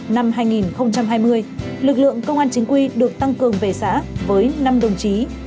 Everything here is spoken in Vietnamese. năm hai nghìn hai mươi lực lượng công an chính quy được tăng cường về xã với năm đồng chí